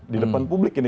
di depan publik ini